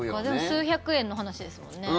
数百円の話ですもんね。